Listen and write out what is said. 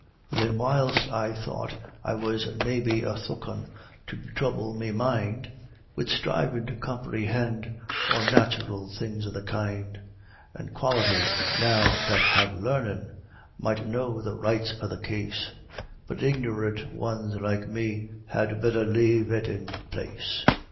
Thin whiles I thought I was maybe a sthookawn to throuble me mind Wid sthrivin' to comprehind onnathural things o' the kind; An' Quality, now, that have larnin', might know the rights o' the case, But ignorant wans like me had betther lave it in pace.